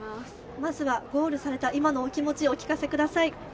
まずはゴールされた今のお気持ちお聞かせください。